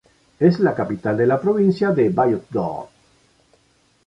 Es la capital de la provincia de Vayots' Dzor.